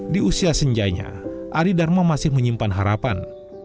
di usia senjainya arie darmalah masih menyimpan harapan